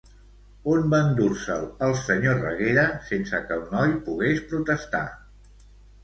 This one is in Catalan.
On va endur-se'l, el senyor Reguera, sense que el noi pogués protestar?